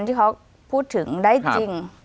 ที่เขาพูดถึงได้จริง